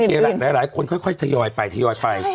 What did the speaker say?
ล่ะหลายคนค่อยทยอยไปทยอยไป